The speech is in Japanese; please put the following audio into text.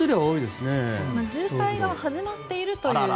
渋滞が始まっているという